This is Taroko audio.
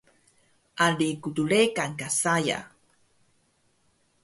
Ali gdregan ka saya